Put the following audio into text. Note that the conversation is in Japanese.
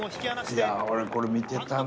いや俺これ見てたな。